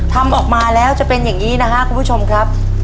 ทำออกมาแล้วจะเป็นอย่างนี้นะครับคุณผู้ชมครับ